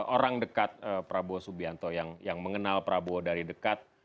orang dekat prabowo subianto yang mengenal prabowo dari dekat